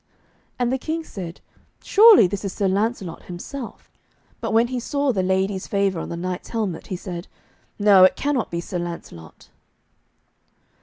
And the King said, 'Surely this is Sir Lancelot himself.' But when he saw the lady's favour on the knight's helmet, he said, 'No, it cannot be Sir Lancelot.'